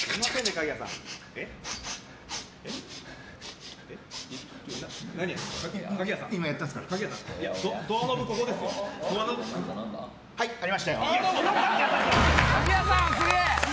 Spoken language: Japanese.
鍵屋さん、すげえ！